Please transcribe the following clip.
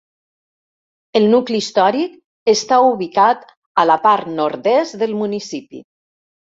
El nucli històric està ubicat a la part nord-est del municipi.